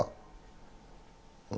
うん